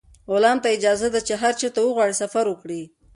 غلام ته اجازه ده چې هر چېرته وغواړي سفر وکړي.